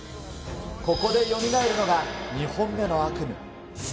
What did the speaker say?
ここでよみがえるのが２本目の悪夢。